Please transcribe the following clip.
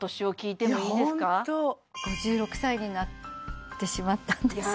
いやホント５６歳になってしまったんです